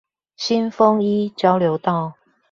新豐一交流道